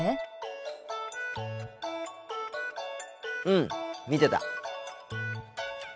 うん見てた。